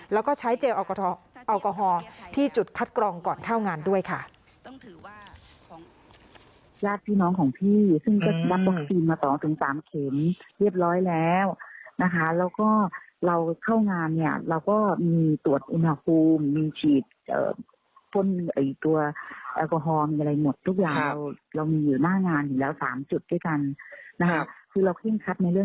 แล้วก็ใช้เจลแอลกอฮอล์ที่จุดคัดกรองก่อนเข้างานด้วยค่ะ